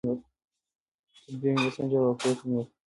تدبیر مې وسنجاوه او پرېکړه مې وکړه.